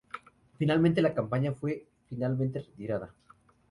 Finalmente, la campaña fue finalmente retirada.